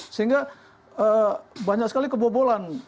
sehingga banyak sekali kebobolan